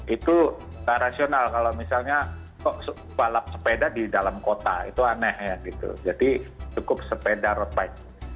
itu rasional kalau misalnya balap sepeda di dalam kota itu aneh ya gitu jadi cukup sepeda road bike